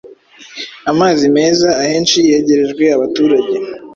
Amazi meza ahenshi yegerejwe abaturage.